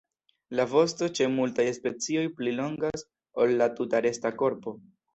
La vosto ĉe multaj specioj pli longas ol la tuta resta korpo.